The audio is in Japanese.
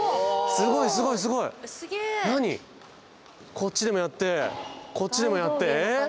こっちでもやってこっちでもやってええ？